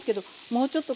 もうちょっと。